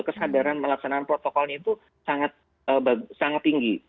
kesadaran melaksanakan protokolnya itu sangat tinggi